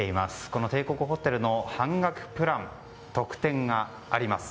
この帝国ホテルの半額プラン特典があります。